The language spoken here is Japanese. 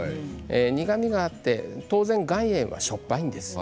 苦みがあって当然、岩塩はしょっぱいんです。